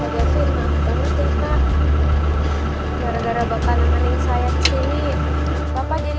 gara gara bantuan meningsayak sini